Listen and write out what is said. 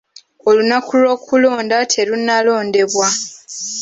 Olunaku lw'okulonda terunalondebwa.